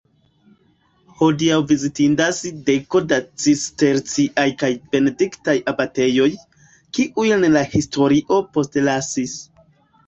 Hodiaŭ vizitindas deko da cisterciaj kaj benediktaj abatejoj, kiujn la historio postlasis.